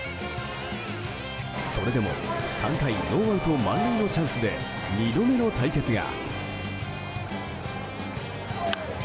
それでも３回ノーアウト満塁のチャンスで２度目の対決が。